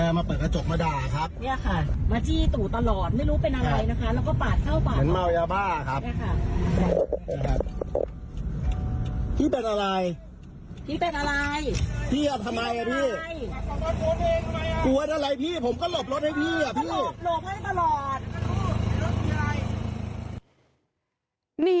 รถอยู่ทางอุ่น